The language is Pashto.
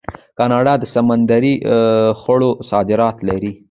کاناډا د سمندري خوړو صادرات لري.